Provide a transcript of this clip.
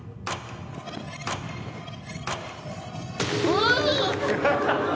うわ！